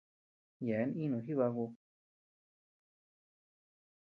Yeabean ínuu jibaku.